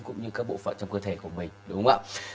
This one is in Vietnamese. cũng như các bộ phận trong cơ thể của mình